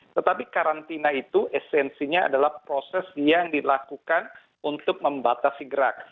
tetapi karantina itu esensinya adalah proses yang dilakukan untuk membatasi gerak